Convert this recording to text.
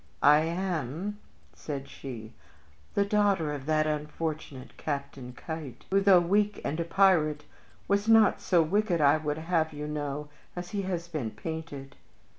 "I am," said she, "the daughter of that unfortunate Captain Keitt, who, though weak and a pirate, was not so wicked, I would have you know, as he has been painted.